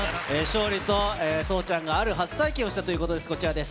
勝利と聡ちゃんがある初体験をしたということです。